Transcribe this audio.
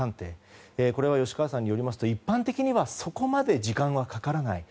これは、吉川さんによりますと一般的にはそこまで時間はかからない。